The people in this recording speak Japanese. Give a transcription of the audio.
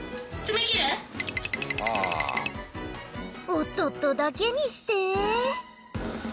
おっとっとだけにして。